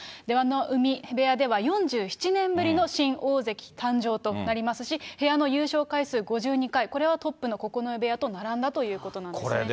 出羽海部屋では４７年ぶりの新大関誕生となりますし、部屋の優勝回数５２回、これはトップの九重部屋と並んだということなんですね。